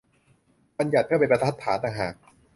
บัญญัติ เพื่อเป็น บรรทัดฐาน ตะหาก